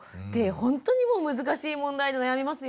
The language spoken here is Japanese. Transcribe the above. ほんとにもう難しい問題で悩みますよね。